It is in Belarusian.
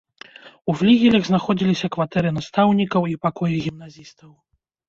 У флігелях знаходзіліся кватэры настаўнікаў і пакоі гімназістаў.